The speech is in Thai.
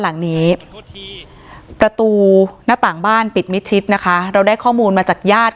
หลังนี้ประตูหน้าต่างบ้านปิดมิดชิดนะคะเราได้ข้อมูลมาจากญาติ